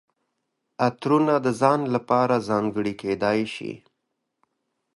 عطرونه د ځان لپاره ځانګړي کیدای شي.